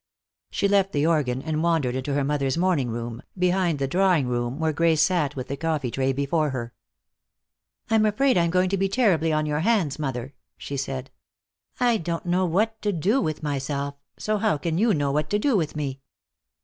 She left the organ and wandered into her mother's morning room, behind the drawing room, where Grace sat with the coffee tray before her. "I'm afraid I'm going to be terribly on your hands, mother," she said, "I don't know what to do with myself, so how can you know what to do with me?"